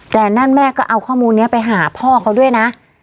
แต่นั่นแม่ก็เอาข้อมูลนี้ไปหาพ่อเขาด้วยนะ